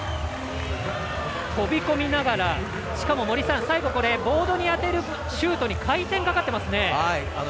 飛び込みながらしかも最後、ボードに当てるシュートに意図的にかけてますね。